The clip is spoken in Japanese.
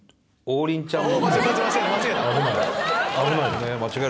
王林ちゃん。